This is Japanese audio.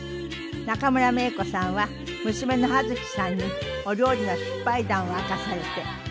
中村メイコさんは娘のはづきさんにお料理の失敗談を明かされて。